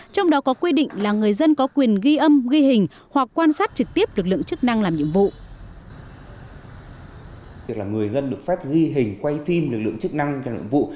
trong đó có quy định là người dân có quyền ghi âm ghi hình hoặc quan sát trực tiếp lực lượng chức năng làm nhiệm vụ